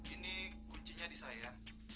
ini kuncinya di saya